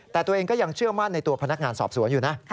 แต่ตัวเองก็ยังเชื่อมั่นในตัวพนักงานสอบสวนอยู่นะ